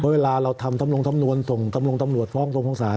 เวลาเราทำตำรวงทำนวนทรงทรงศาล